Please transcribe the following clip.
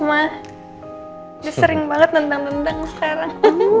ma dia sering banget nentang nentang sekarang